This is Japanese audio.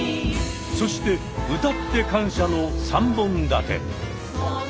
そして歌って感謝の３本立て！